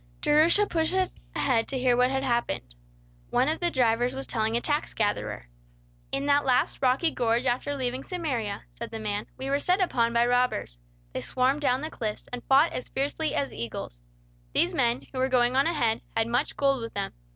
Jerusha pushed ahead to hear what had happened. One of the drivers was telling a tax gatherer. "In that last rocky gorge after leaving Samaria," said the man, "we were set upon by robbers. They swarmed down the cliffs, and fought as fiercely as eagles. These men, who were going on ahead, had much gold with them.